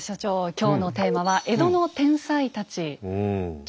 今日のテーマは「江戸の天才たち」。